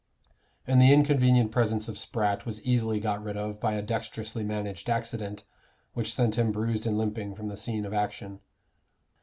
And the inconvenient presence of Spratt was easily got rid of by a dexterously managed accident, which sent him bruised and limping from the scene of action.